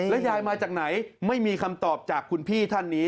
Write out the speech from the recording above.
ยายมาจากไหนไม่มีคำตอบจากคุณพี่ท่านนี้